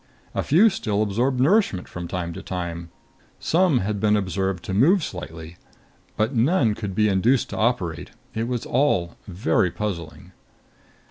A few still absorbed nourishment from time to time; some had been observed to move slightly. But none could be induced to operate. It was all very puzzling!